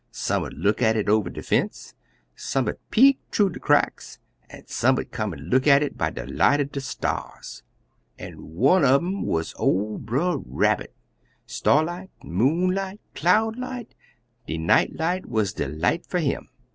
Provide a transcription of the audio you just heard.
Some 'ud look at it over de fence, some 'ud peep thoo de cracks, an' some 'ud come an' look at it by de light er de stars. An' one un um wuz ol' Brer Rabbit; starlight, moonlight, cloudlight, de nightlight wuz de light fer him.